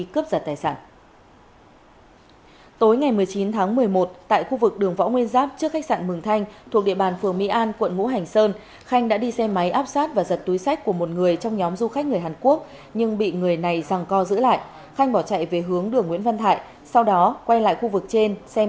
công an quận mũ hành sơn thành phố đà nẵng đang tạm giữ đối tượng trần văn khanh một mươi chín tuổi chú tại huyện quảng nam